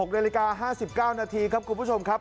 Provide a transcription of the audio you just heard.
๖นาฬิกา๕๙นาทีครับคุณผู้ชมครับ